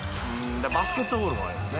バスケットボールもありますね。